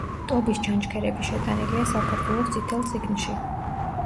ტობის ჩანჩქერები შეტანილია საქართველოს „წითელ წიგნში“.